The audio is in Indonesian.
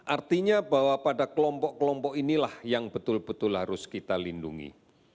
artinya bahwa pada kelompok kelompok inilah yang betul betul harus kita lindungi